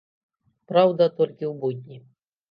Праўда, толькі ў будні.